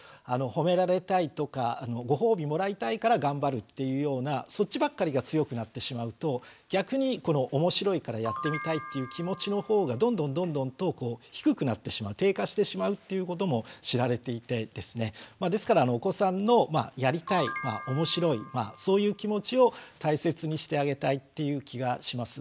ほめられたいとかご褒美もらいたいから頑張るっていうようなそっちばっかりが強くなってしまうと逆に面白いからやってみたいっていう気持ちの方がどんどんどんどんと低くなってしまう低下してしまうっていうことも知られていてですねですからお子さんの「やりたい」「おもしろい」そういう気持ちを大切にしてあげたいっていう気がします。